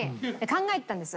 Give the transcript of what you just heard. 考えてたんです。